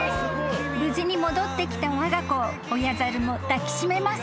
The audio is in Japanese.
［無事に戻ってきたわが子を親猿も抱き締めます］